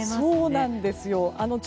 そうなんですよ。